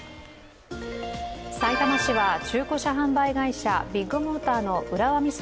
さいたま市は、中古車販売会社ビッグモーターの浦和美園